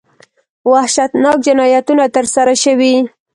وحشتناک جنایتونه ترسره شوي.